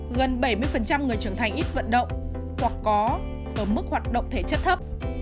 gần bảy mươi người trưởng thành ít vận động hoặc có ở mức hoạt động thể chất thấp